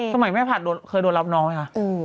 สมัยแม่ผัดเคยลาบน้องไหมอ่ะ